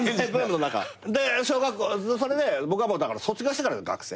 で小学校それで僕はだから卒業してから学生。